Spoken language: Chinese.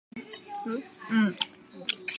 同时寻找到的炸弹将其作为废金属再利用。